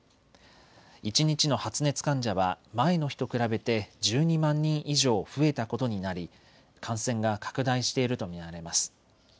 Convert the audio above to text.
一日の発熱患者は前の日と比べて１２万人以上増えたことになり感染が拡大していると見られます。